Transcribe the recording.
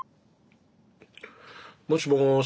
もしもし。